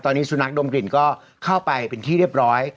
ตอนนี้สุนัขดมกลิ่นก็เข้าไปเป็นที่เรียบร้อย